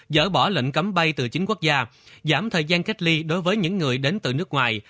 dỡ bỏ lệnh cấm bay từ chính quốc gia giảm thời gian cách ly đối với những người đến từ nước ngoài